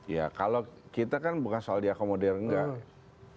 ya kalau kita kan bukan soal diakomodir enggak